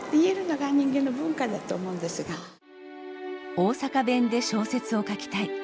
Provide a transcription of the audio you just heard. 大阪弁で小説を書きたい。